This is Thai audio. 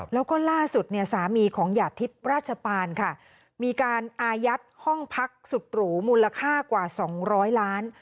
แล้วก็ล่าสุดเนี่ยสามีของหยาดทิพย์ราชปานค่ะมีการอายัดห้องพักสุดหรูมูลค่ากว่า๒๐๐ล้าน